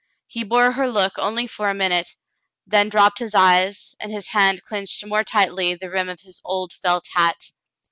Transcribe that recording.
He bore her look only for a minute, then dropped his eyes, and his hand clinched more tightly the rim of his old felt hat.